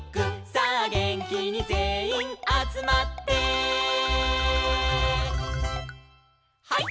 「さあげんきにぜんいんあつまって」「ハイ！